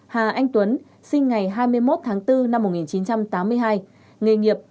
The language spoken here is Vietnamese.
hà anh tuấn sinh ngày hai mươi một tháng bốn năm một nghìn chín trăm tám mươi hai nghề nghiệp